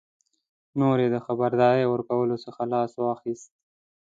نور یې د خبرداري ورکولو څخه لاس واخیست.